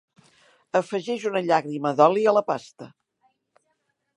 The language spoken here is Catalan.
Afegeix una llàgrima d'oli a la pasta.